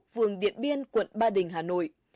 vườn điện biên quận ba đình hà nội